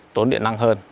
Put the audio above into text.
tốn điện năng hơn